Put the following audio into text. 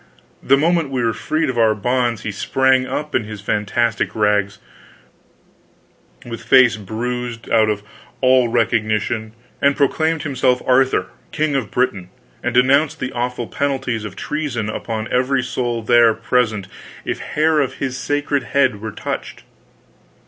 The moment we were freed of our bonds he sprang up, in his fantastic rags, with face bruised out of all recognition, and proclaimed himself Arthur, King of Britain, and denounced the awful penalties of treason upon every soul there present if hair of his sacred head were touched.